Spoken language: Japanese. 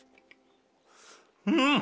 うん。